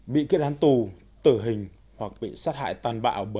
bị kiết hắn tù tử hình hoặc bị sát hại toàn bạo bởi những kẻ hồi giáo cực đoan